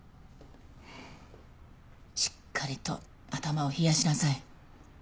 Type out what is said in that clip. しっかりと頭を冷やしなさい。